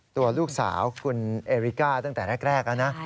ตัวลูกสาวคุณเอริก้าตั้งแต่แรกแล้วนะ